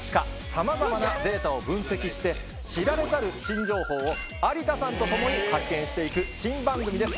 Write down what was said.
さまざまなデータを分析して知られざる新情報を有田さんと共に発見していく新番組です。